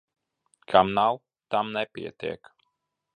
Kam nav, tam nepietiek.